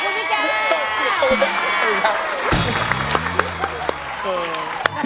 ขอบคุณพี่แก่